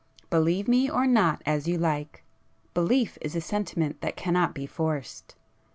Believe me or not as you like,—belief is a sentiment that cannot be forced.